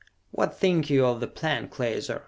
What think you of the plan, Klaser?